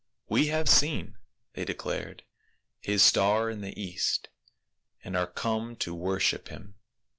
"We have seen," they de clared, " his star in the East, and are come to worship him."